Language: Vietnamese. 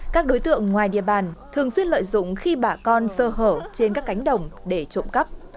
các đối tượng ngoài địa bàn thường xuyên lợi dụng khi bà con sơ hở trên các cánh đồng để trộm cắp